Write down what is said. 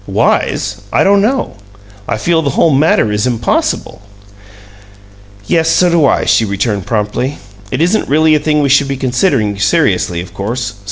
"Wise? I don't know. I feel the whole matter is impossible." "Yes, so do I," she returned, promptly. "It isn't really a thing we should be considering seriously, of course.